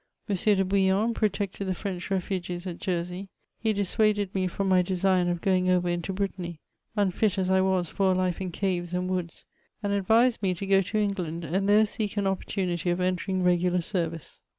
M. de Bouillon protected the French refugees at Jersey ; he dissuaded me from my design of going over into Brittany, unfit as I was for a life in caves and woods ; and advised me to go to England, and there seek an opportunity of entering regular service.